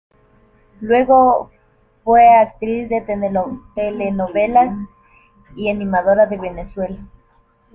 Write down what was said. Luego fue actriz de telenovelas y animadora en Venezuela.